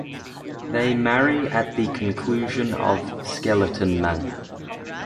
They marry at the conclusion of "Skeleton Man".